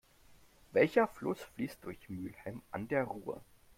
Welcher Fluss fließt durch Mülheim an der Ruhr?